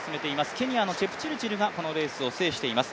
ケニアのチェプチルチルがこのレースを制しています。